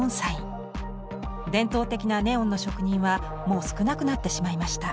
伝統的なネオンの職人はもう少なくなってしまいました。